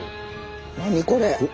何これ！？